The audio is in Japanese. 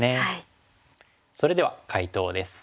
それでは解答です。